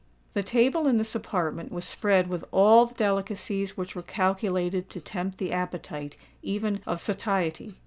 The table in this apartment was spread with all the delicacies which were calculated to tempt the appetite even of satiety.